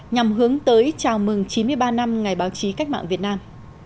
nhằm hướng tới chào mừng chín mươi ba năm ngày báo chí cách mạng việt nam